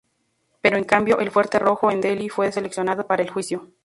Pero en cambio, el Fuerte Rojo en Delhi fue seleccionado para el juicio.